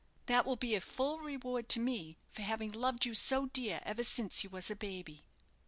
that will be a full reward to me for having loved you so dear ever since you was a baby."